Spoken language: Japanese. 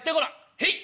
「へい。